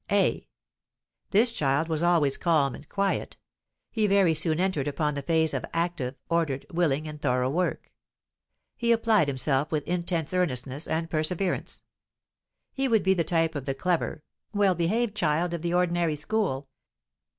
A: this child was always calm and quiet; he very soon entered upon the phase of active, ordered, willing and thorough work. He applied himself with intense earnestness and perseverance. He would be the type of the clever, well behaved child of the ordinary school.